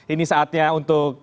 ini saatnya untuk